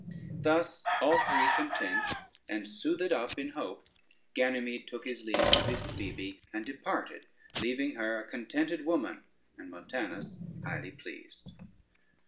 Thus, all three content, and soothed up in hope, Ganymede took his leave of his Phoebe and departed, leaving her a contented woman, and Montanus highly pleased.